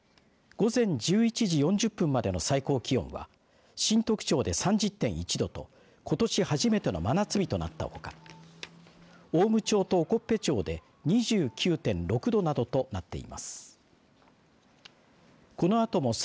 午前１１時４０分までの最高気温は新得町で３０．１度とことし初めての真夏日となったほか雄武町と興部町で２９．６度などとなっています。